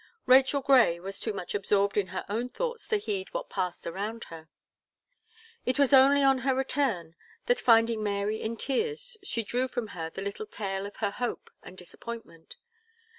Rachel Gray was too much absorbed in her own thoughts to heed what passed around her. It was only on her return, that finding Mary in tears, she drew from her the little tale of her hope and disappointment.